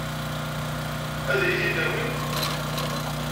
Ad iyi-t-id-awint?